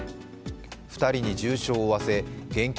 ２人に重傷を負わせ現金